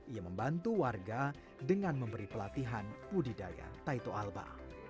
ia membantu warga dengan memberi pelatihan budidaya taito alba